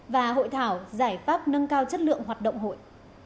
và hội thảo giải pháp nâng cao chất lượng hoạt động hội